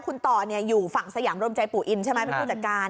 คุณต่ออยู่ฝั่งสยามรมใจปู่อินใช่ไหมเป็นผู้จัดการ